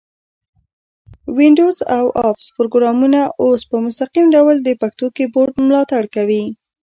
وینډوز او افس پروګرامونه اوس په مستقیم ډول د پښتو کیبورډ ملاتړ کوي.